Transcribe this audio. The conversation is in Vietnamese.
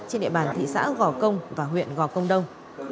trên địa bàn thị xã gò công và huyện gò công đông